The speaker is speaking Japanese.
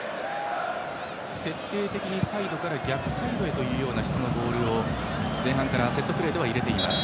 徹底的にサイドから逆サイドへという質のボールを前半からセットプレーで入れています。